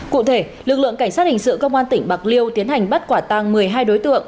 cụ thể lực lượng cảnh sát hình sự cơ quan tỉnh bạc liêu tiến hành bắt quả tàng một mươi hai đối tượng